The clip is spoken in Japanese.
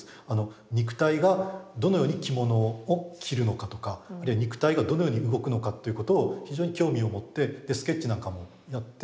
肉体がどのように着物を着るのかとか肉体がどのように動くのかっていうことを非常に興味を持ってスケッチなんかもやってるんですね。